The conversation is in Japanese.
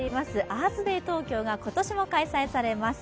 アースデイ東京が今年も開催されます。